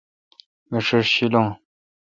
می ݭݭ شیلون